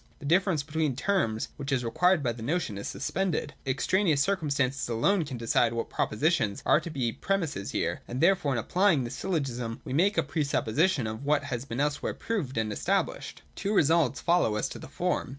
The difference between the terms which is required by the notion is suspended. Extraneous circum stances alone can decide what propositions are to be pre misses here : and therefore in applying this syllogism we make a pre supposition of what has been elsewhei'e proved and established. 189.] Two results follow as to the form.